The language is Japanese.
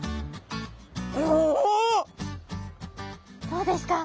どうですか？